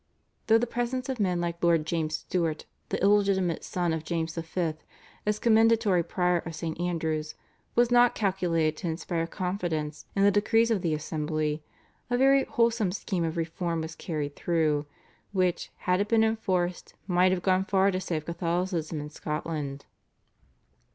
Though the presence of men like Lord James Stuart, the illegitimate son of James V., as commendatory prior of St. Andrew's was not calculated to inspire confidence in the decrees of the assembly, a very wholesome scheme of reform was carried through, which, had it been enforced, might have gone far to save Catholicism in Scotland.